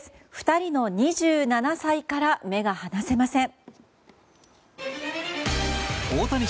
２人の２７歳から目が離せません。